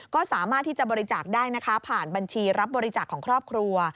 ก็สามารถที่จะบริจาคได้นะคะผ่านบัญชีรับบริจาคของครอบครัว